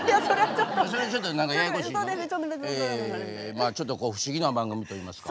まあちょっと不思議な番組といいますか。